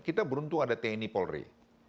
kita beruntung ada tni polri